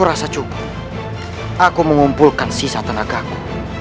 agar aku bisa mengumpulkan tenagaku